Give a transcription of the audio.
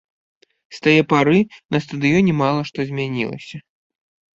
З тае пары на стадыёне мала што змянілася.